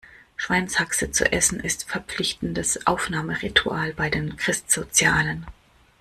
Schweinshaxe zu essen, ist verpflichtendes Aufnahmeritual bei den Christsozialen.